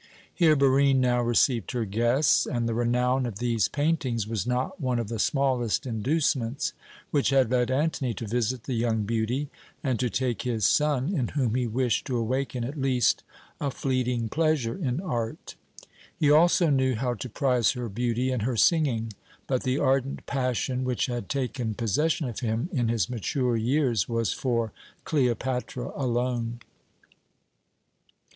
Here Barine now received her guests, and the renown of these paintings was not one of the smallest inducements which had led Antony to visit the young beauty and to take his son, in whom he wished to awaken at least a fleeting pleasure in art. He also knew how to prize her beauty and her singing, but the ardent passion which had taken possession of him in his mature years was for Cleopatra alone.